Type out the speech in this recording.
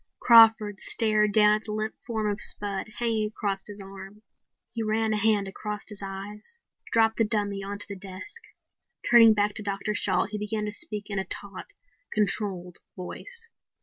Crawford stared down at the limp form of Spud hanging across his arm. He ran a hand across his eyes, dropped the dummy onto the desk. Turning back to Dr. Shalt, he began to speak in a taut, controlled voice.